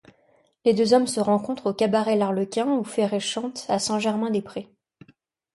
Les deux hommes se rencontrent au cabaret l'Arlequin où Ferré chante, à Saint-Germain-des-Prés.